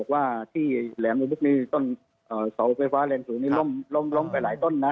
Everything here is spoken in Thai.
เหลี่ยงว่าสาวไฟฟ้าอาคารแรงสูงนี้ล้มไปหลายต้นนะ